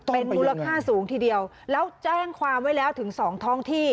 เป็นมูลค่าสูงทีเดียวแล้วแจ้งความไว้แล้วถึงสองท้องที่